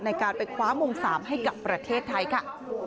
ในการไปคว้ามง๓ให้กับประเทศไทยค่ะ